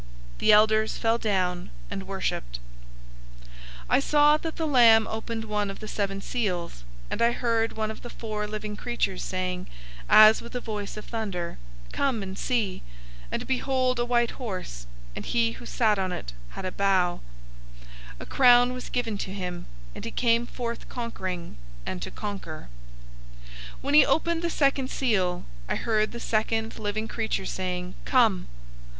The {TR adds "twenty four"}elders fell down and worshiped.{TR adds "the one living forever and ever"} 006:001 I saw that the Lamb opened one of the seven seals, and I heard one of the four living creatures saying, as with a voice of thunder, "Come and see!" 006:002 And behold, a white horse, and he who sat on it had a bow. A crown was given to him, and he came forth conquering, and to conquer. 006:003 When he opened the second seal, I heard the second living creature saying, "Come!"